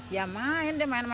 ya main deh main main lumpur